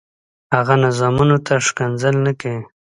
هغه نظامونو ته ښکنځل نه کوي.